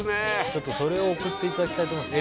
ちょっとそれを送っていただきたいと思います